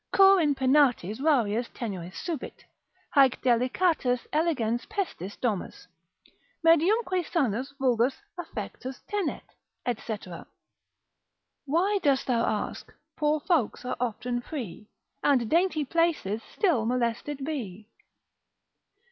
Cur in penates rarius tenues subit, Haec delicatas eligens pestis domus, Mediumque sanos vulgus affectuss tenet? &c. Why dost thou ask, poor folks are often free, And dainty places still molested be?